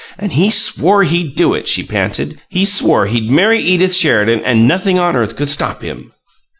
"And he swore he'd do it," she panted. "He swore he'd marry Edith Sheridan, and nothing on earth could stop him!"